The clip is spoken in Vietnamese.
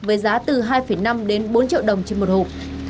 với giá từ hai năm đến bốn triệu đồng trên một hộp